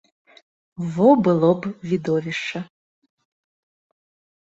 Во было б відовішча!